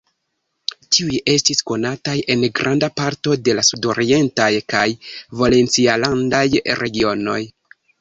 Tiuj estis konataj en granda parto de la sudorientaj kaj valencilandaj regionoj.